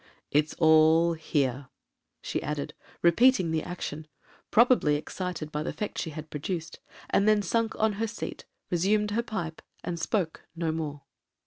—'It's all here,' she added, repeating the action, (probably excited by the effect she had produced), and then sunk on her seat, resumed her pipe, and spoke no more.